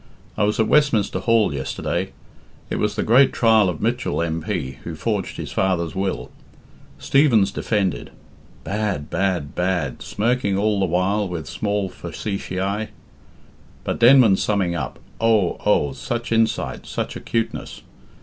I was at Westminster Hall yesterday. It was the great trial of Mitchell, M. P., who forged his father's will. Stevens defended bad, bad, bad, smirking all the while with small facetiæ. But Denman's summing up oh! oh! such insight, such acuteness!